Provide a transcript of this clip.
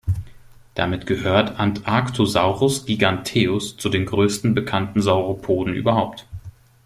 Damit gehört "Antarctosaurus giganteus" zu den größten bekannten Sauropoden überhaupt.